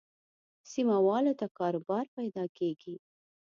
سیمه والو ته کاروبار پیدا کېږي.